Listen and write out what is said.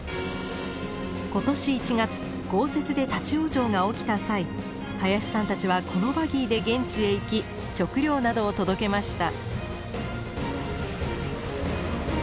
今年１月豪雪で立往生が起きた際林さんたちはこのバギーで現地へ行き食料などを届けました。